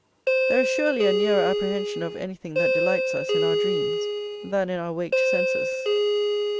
There is surely a nearer apprehension of anything that delights us, in our dreams, than in our waked senses.